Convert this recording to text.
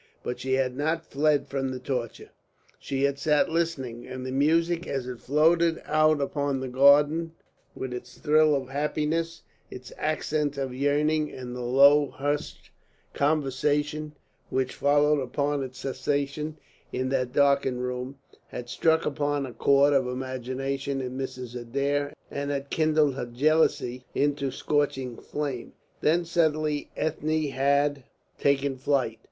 But she had not fled from the torture. She had sat listening, and the music as it floated out upon the garden with its thrill of happiness, its accent of yearning, and the low, hushed conversation which followed upon its cessation in that darkened room, had struck upon a chord of imagination in Mrs. Adair and had kindled her jealousy into a scorching flame. Then suddenly Ethne had taken flight.